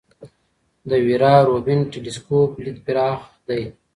د ویرا روبین ټیلسکوپ لید پراخ دی.